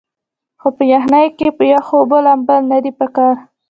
خو پۀ يخنۍ کښې پۀ يخو اوبو لامبل نۀ دي پکار